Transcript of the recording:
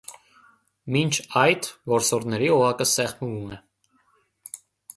Մինչ այդ «որսորդների» օղակը սեղմվում է։